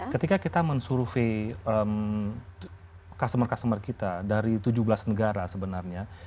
ketika kita mensurvey customer customer kita dari tujuh belas negara sebenarnya